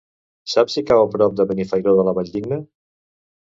Saps si cau a prop de Benifairó de la Valldigna?